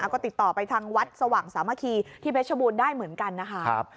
ก็ติดต่อไปทางวัดสว่างสามัคคีที่เพชรบูรณ์ได้เหมือนกันนะคะ